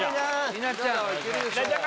・稲ちゃんはいけるでしょ稲ちゃん